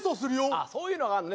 あっそういうのがあるのね